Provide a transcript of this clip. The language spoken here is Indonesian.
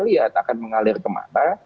lihat akan mengalir ke mana